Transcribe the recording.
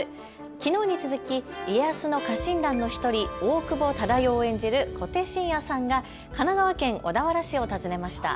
きのうに続き家康の家臣団の１人、大久保忠世を演じる小手伸也さんが神奈川県小田原市を訪ねました。